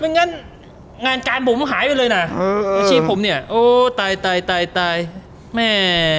งั้นงานการผมหายไปเลยน่ะเอออาชีพผมเนี่ยโอ้ตายตายตายตายแม่